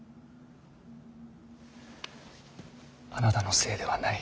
あなたのせいではない。